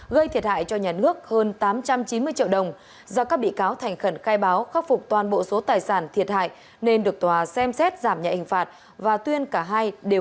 gây thiệt hại cho nhà nước hơn tám trăm chín mươi triệu đồng do các bị cáo thành khẩn khai báo khắc phục toàn bộ số tài sản thiệt hại nên được tòa xem xét giảm nhạy ảnh phạt và tuyên cả hai đều